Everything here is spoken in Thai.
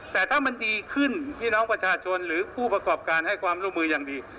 แต่ถ้ามันดีขึ้นพี่น้องประชาชนหรือผู้ประกอบการให้ความร่วมมืออย่างดี